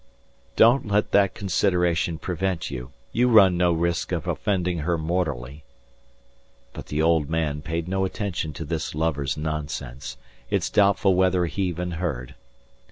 "Don't let that consideration prevent you. You run no risk of offending her mortally." But the old man paid no attention to this lover's nonsense. It's doubtful whether he even heard.